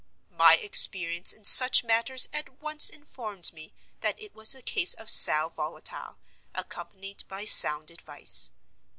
My experience in such matters at once informed me that it was a case of sal volatile, accompanied by sound advice.